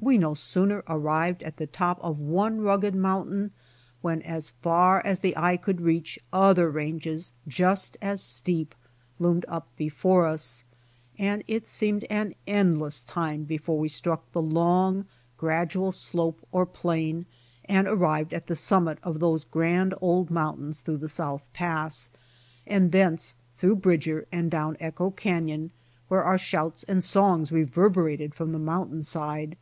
We no sooner arrived at the top of one rugged mountain, when as far as the. eye could reach, other ranges just as steep loomed up before us, and it seemed an endless time before we struck the long gradual slope or plain and arrived at the summit of these grand old mountains through the South Pass, and thence through Bridger and down Eicho canyon, where our shouts and songs reverberated from the mountain side.